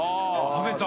食べた！